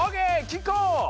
きこ！